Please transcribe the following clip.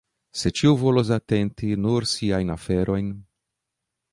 Se ĉiu volus atenti nur siajn aferojn.